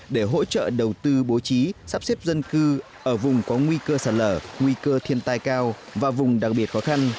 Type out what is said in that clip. để hỗ trợ đầu tư bố trí sắp xếp dân cư ở vùng có nguy cơ sạt lở nguy cơ thiên tai cao và vùng đặc biệt khó khăn